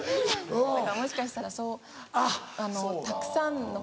もしかしたらそうたくさんの方。